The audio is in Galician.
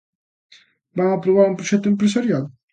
¿Van aprobar un proxecto empresarial?